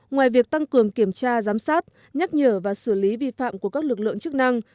ngoài việc tăng cường kiểm tra giám sát nhắc nhở và xử lý vi phạm của các lực lượng chức năng